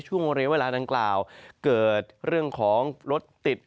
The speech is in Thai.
ช่วงเรียกเวลาดังกล่าวเกิดเรื่องของรถติด